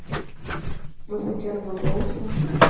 Você quer uma bolsa?